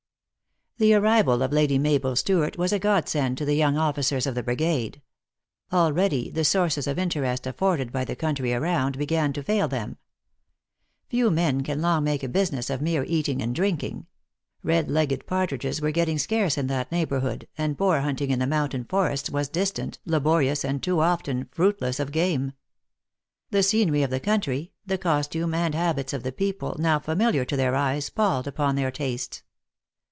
THE arrival of Lady Mabel Stewart was a god send to the young officers of the brigade. Already the sources of interest afforded by the country around, began to fail them. Few men can long make a busi ness of mere eating and drinking ; red legged par tridges were getting scarce in that neighborhood) and boar hunting in the mountain forests was distant, la borious, and too often, fruitless of game. The scenery of the country, the costume and habits of the people, now familiar to their eyes, palled upon their tastes.